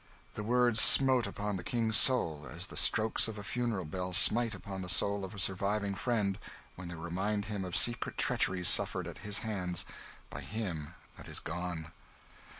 The words smote upon the King's soul as the strokes of a funeral bell smite upon the soul of a surviving friend when they remind him of secret treacheries suffered at his hands by him that is gone.